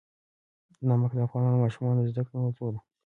نمک د افغان ماشومانو د زده کړې موضوع ده.